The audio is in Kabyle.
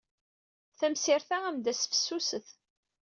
Tamsirt-a ad am-d-tas fessuset.